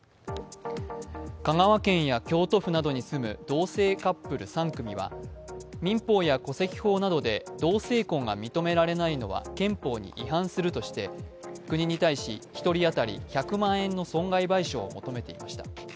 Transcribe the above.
香川県や京都府などに住む同性カップル３組は民法や戸籍法などで同性婚が認められないのは憲法に違反するとして国に対し１人当たり１００万円の損害賠償を求めていました。